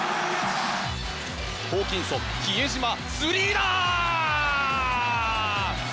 ホーキンソン比江島、スリーだ！